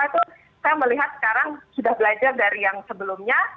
itu saya melihat sekarang sudah belajar dari yang sebelumnya